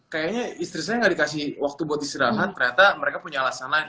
kayanya istri saya gak dikasih waktu buat diserahan ternyata mereka punya alasan lain